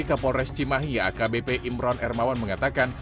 kapolres cimahi akbp imron ermawan mengatakan